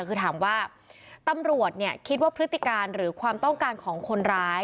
คือถามว่าตำรวจคิดว่าพฤติการหรือความต้องการของคนร้าย